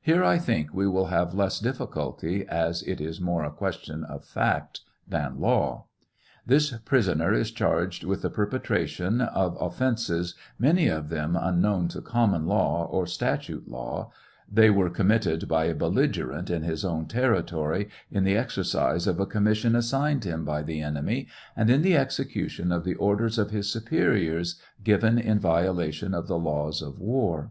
Here I think we will have less difficulty, as it is more a question of fact than law. This prisoner is charged with the perpetration of offences many of them un known to common law or statute law, they were committed by a belligerent, in his own territory, in the exercise of a commission assigned him by the enemy, and in the execution of the orders of his superiors, given in violation of the laws of war.